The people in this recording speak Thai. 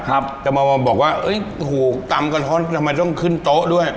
ครับจะมาบอกว่าเอ้ยถูกตำกระท้อนทำไมต้องขึ้นโต๊ะด้วย